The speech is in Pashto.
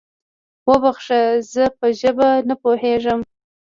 وبخښه، زه په ژبه نه پوهېږم؟